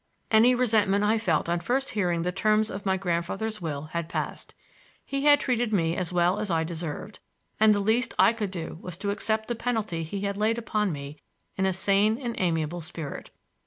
Any resentment I felt on first hearing the terms of my grandfather's will had passed. He had treated me as well as I deserved, and the least I could do was to accept the penalty he had laid upon me in a sane and amiable spirit.